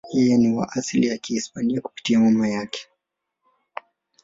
Yeye ni wa asili ya Kihispania kupitia mama yake.